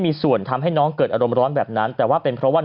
มีส่วนทำให้น้องเกิดอารมณ์ร้อนแบบนั้นแต่ว่าเป็นเพราะว่า